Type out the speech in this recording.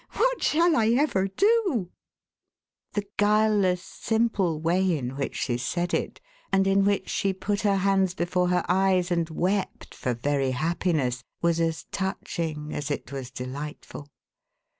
What shall I ever do !" GOOD NEWS FOR THE STUDENT. 511 The guileless, simple way in which she said it, and in which she put her hands before her eyes and wept for very happiness, was as touching as it was delightful.